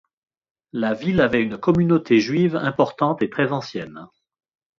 La ville avait une communauté juive importante et très ancienne.